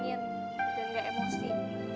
dan gak emosi